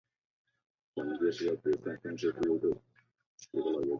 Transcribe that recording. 华南谷精草为谷精草科谷精草属下的一个种。